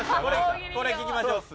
これ聞きましょう。